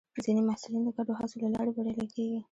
ځینې محصلین د ګډو هڅو له لارې بریالي کېږي.